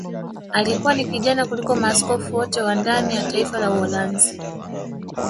Alikuwa ni kijana kuliko maaskofu wote wa ndani ya taifa la Uholanzi